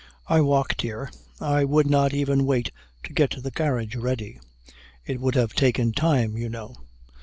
I walked here I would not even wait to get the carriage ready it would have taken time, you know.